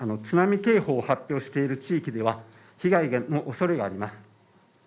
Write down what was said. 津波警報を発表している地域では被害の恐れがあります